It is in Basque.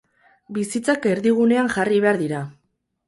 Bizitzak erdigunean jarri behar dira